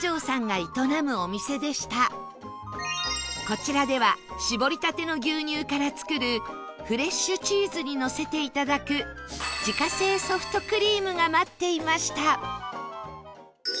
こちらでは搾りたての牛乳から作るフレッシュチーズにのせていただく自家製ソフトクリームが待っていました